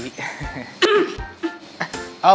oh bukan maksudnya ngejenguk re